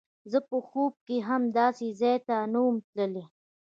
زه په خوب کښې هم داسې ځاى ته نه وم تللى.